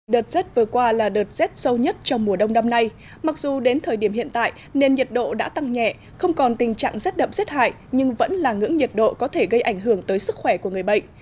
đợt rét vừa qua là đợt rét sâu nhất trong mùa đông năm nay mặc dù đến thời điểm hiện tại nên nhiệt độ đã tăng nhẹ không còn tình trạng rét đậm rét hại nhưng vẫn là ngưỡng nhiệt độ có thể gây ảnh hưởng tới sức khỏe của người bệnh